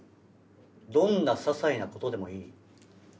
どんなささいなことでもいい。